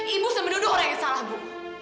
ibu semenuduh orang yang salah bu